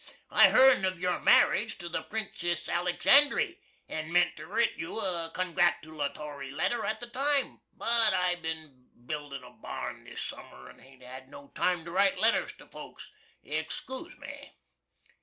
I hearn of your marriage to the Printcis Alexandry, & ment ter writ you a congratoolatory letter at the time, but I've bin bildin a barn this summer, & hain't had no time to write letters to folks. Excoose me.